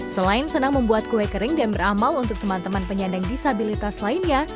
selain senang membuat kue kering dan beramal untuk teman teman penyandang disabilitas lainnya